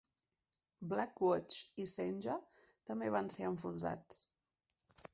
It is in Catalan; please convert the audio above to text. "Black Watch" i "Senja" també van ser enfonsats.